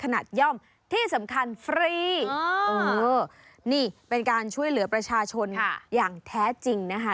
อ๋อนี่เป็นการช่วยเหลือประชาชนค่ะอย่างแท้จริงนะคะ